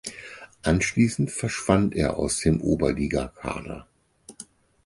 Anschließend verschwand er aus dem Oberligakader.